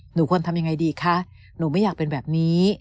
หนูควรทำยังไงดีคะหนูไม่อยากเป็นแบบนี้